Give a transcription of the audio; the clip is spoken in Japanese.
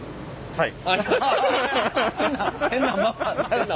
はい。